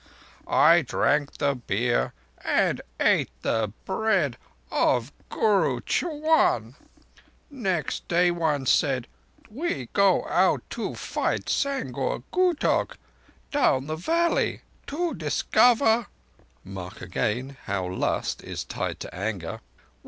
I drank the beer and ate the bread of Guru Ch'wan. Next day one said: 'We go out to fight Sangor Gutok down the valley to discover' (mark again how Lust is tied to Anger!)